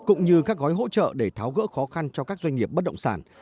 cũng như các gói hỗ trợ để tháo gỡ khó khăn cho các doanh nghiệp bất động sản